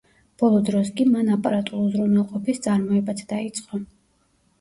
ბოლო დროს კი, მან აპარატულ უზრუნველყოფის წარმოებაც დაიწყო.